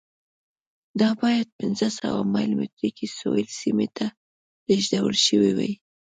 دا باید پنځه سوه مایل مترۍ کې سویل سیمې ته لېږدول شوې وای.